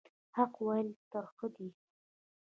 حق ویل ترخه دي